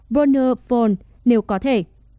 boner phone nếu có thể